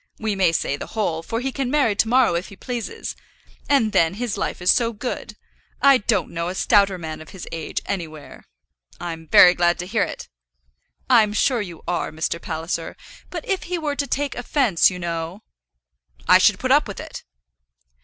We may say the whole, for he can marry to morrow if he pleases. And then his life is so good. I don't know a stouter man of his age, anywhere." "I'm very glad to hear it." "I'm sure you are, Mr. Palliser. But if he were to take offence, you know?" "I should put up with it."